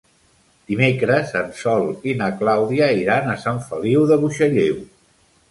Dimecres en Sol i na Clàudia iran a Sant Feliu de Buixalleu.